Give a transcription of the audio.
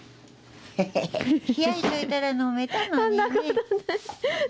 冷やしといたら飲めたのにね。